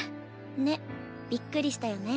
ねっびっくりしたよね。